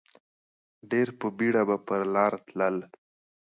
ډېر په بېړه به پر لار تلل.